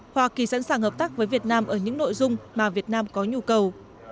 hoa kỳ sẵn sàng hợp tác với việt nam ở những nội dung mà việt nam có nhu cầu